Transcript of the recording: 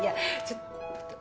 ちょっと。